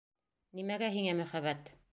Нимәгә һиңә мөхәббәт?